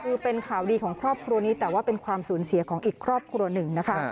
คือเป็นข่าวดีของครอบครัวนี้แต่ว่าเป็นความสูญเสียของอีกครอบครัวหนึ่งนะคะ